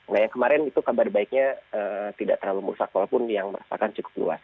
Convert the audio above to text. nah yang kemarin itu kabar baiknya tidak terlalu merusak walaupun yang merasakan cukup luas